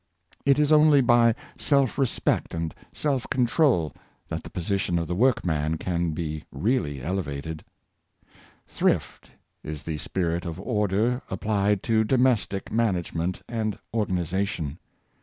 It is only by self respect and self control that the position of the workman can be really " elevated. Thrift is the spirit of order applied to domestic man spirit of Order. 409 agement and organization.